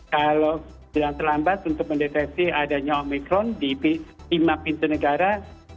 kalau dibilang terlambat untuk mendeteksi adanya omikron di lima pintu negara